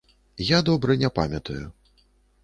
Я добра не памятаю.